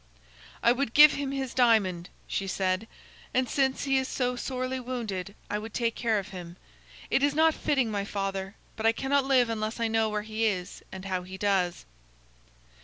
"I would give him his diamond," she said, "and since he is so sorely wounded, I would take care of him. It is not fitting, my father, but I cannot live unless I know where he is and how he does."